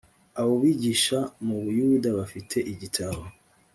abo bigisha mu buyuda bafite igitabo